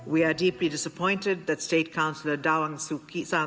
มารับภาพธรรมที่สนิทรุกโปรดถึงจักระชีวิตพวกเรา